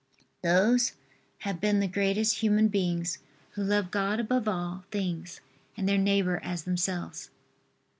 Those have been the greatest human beings who loved God above all things and their neighbor as themselves.